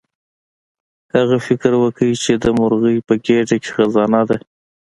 هغه فکر وکړ چې د مرغۍ په ګیډه کې خزانه ده.